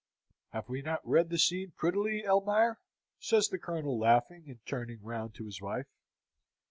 "Have we not read the scene prettily, Elmire?" says the Colonel, laughing, and turning round to his wife.